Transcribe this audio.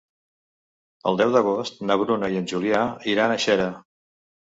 El deu d'agost na Bruna i en Julià iran a Xera.